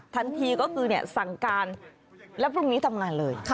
ทันทีก็คือสั่งการแล้วพรุ่งนี้ทำงานเลย